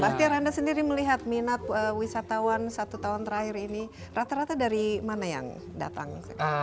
bahtiar anda sendiri melihat minat wisatawan satu tahun terakhir ini rata rata dari mana yang datang sekarang